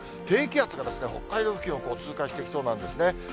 低気圧が北海道付近を通過していきそうなんですね。